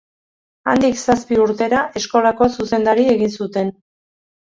Handik zazpi urtera eskolako zuzendari egin zuten.